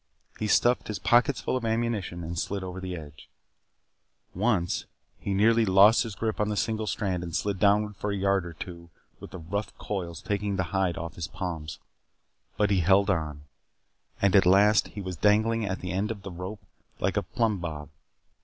He stuffed his pockets full of ammunition and slid over the edge. Once he nearly lost his grip on the single strand and slid downward for a yard or two with the rough coils taking the hide off his palms. But he held on. And at last he was dangling at the end of the rope like a plumb bob.